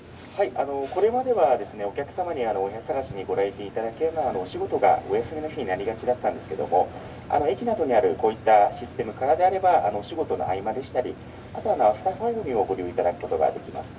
これまではお客様に部屋探しにご来店いただくのは、お休みの日になりがちだったんですけれども、駅などにあるこういったシステムからであれば、お仕事の合間でしたり、あとアフターファイブにご利用いただくことができます。